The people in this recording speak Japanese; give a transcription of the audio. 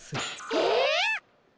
えっ！？